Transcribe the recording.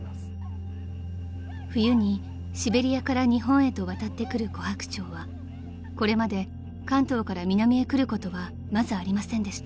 ［冬にシベリアから日本へと渡ってくるコハクチョウはこれまで関東から南へ来ることはまずありませんでした］